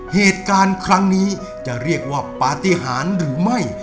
ให้การครั้งนี้จะเรียกว่าปกาศหรือไม่